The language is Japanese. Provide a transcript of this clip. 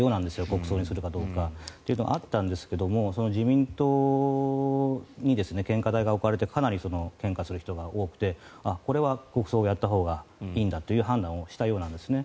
国葬にするかどうか。というのはあったんですが自民党に献花台が置かれてかなり献花する人が多くてこれは国葬をやったほうがいいんだという判断をしたようなんですね。